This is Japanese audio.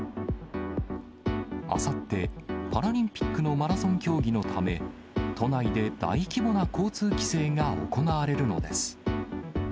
あさって、パラリンピックのマラソン競技のため、都内で大規模な交通規制が行われるのです。